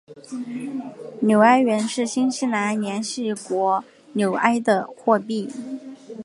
纽埃元是新西兰联系国纽埃的货币。